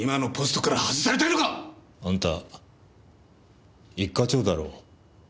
あんた一課長だろう。